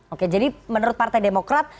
oke jadi menurut partai demokrat